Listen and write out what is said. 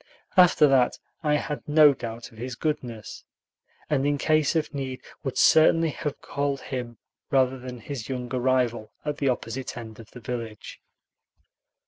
After that I had no doubt of his goodness, and in case of need would certainly have called him rather than his younger rival at the opposite end of the village.